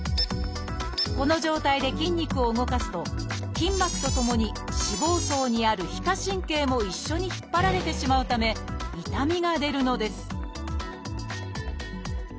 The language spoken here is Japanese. この状態で筋肉を動かすと筋膜とともに脂肪層にある皮下神経も一緒に引っ張られてしまうため痛みが出るのです